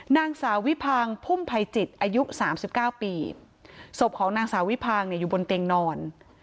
นางสาววิพางพุ่มภัยจิตอายุสามสิบเก้าปีศพของนางสาววิพางเนี่ยอยู่บนเตียงนอน